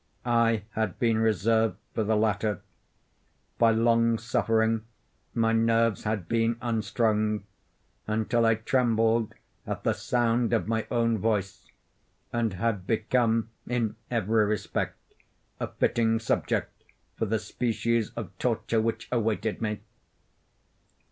I had been reserved for the latter. By long suffering my nerves had been unstrung, until I trembled at the sound of my own voice, and had become in every respect a fitting subject for the species of torture which awaited me.